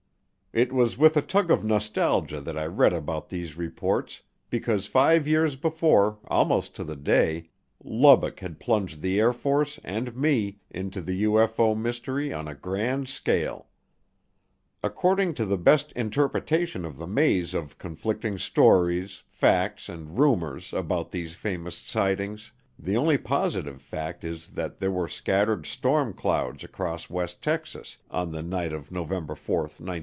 It was with a tug of nostalgia that I read about these reports because five years before, almost to the day, Lubbock had plunged the Air Force, and me, into the UFO mystery on a grand scale. According to the best interpretation of the maze of conflicting stories, facts and rumors about these famous sightings the only positive fact is that there were scattered storm clouds across West Texas on the night of November 4, 1957.